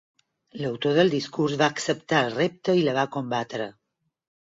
L'autor del discurs va acceptar el repte i la va combatre.